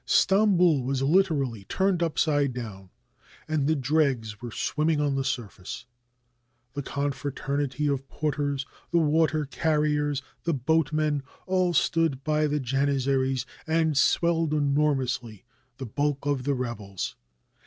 Stamboul was literally turned upside down, and the dregs were swimming on the surface. The confraternity of porters, the water carriers, the boatmen, all stood by the Janizaries and swelled enormously the bulk of the rebels.